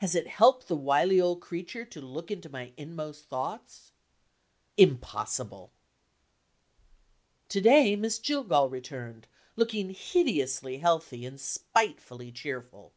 Has it helped the wily old creature to look into my inmost thoughts? Impossible! To day, Miss Jillgall returned, looking hideously healthy and spitefully cheerful.